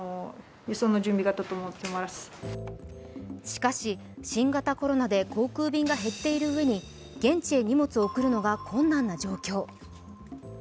しかし新型コロナで航空便が減っているうえに現地へ荷物を送るのが困難な状況。